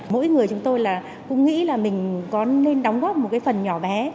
mỗi người chúng tôi cũng nghĩ là mình có nên đóng góp một phần nhỏ bé